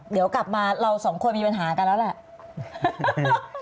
เดี๋ยวกลับมาเราสองคนมีปัญหากันแล้วแหละ